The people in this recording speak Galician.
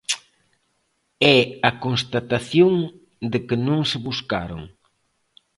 É a constatación de que non se buscaron.